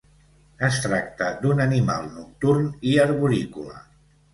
Es tracta d'un animal nocturn i arborícola.